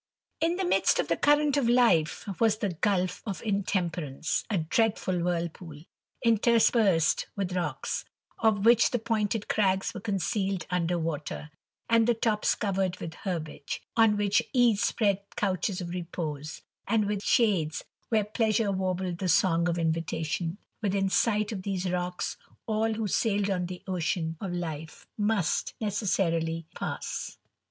In the midst of the current of life was the gulph of Intemperance, a dreadful whirlpool, interspersed with rocks, of which the pointed crags were concealed under water, and the tops covered with herbage, on which Ease spread couches of repose, and with shades, where Pleasure warbled the song of invitation. Within sight of these rocks all who sailed on the ocean of life must necessarily pass.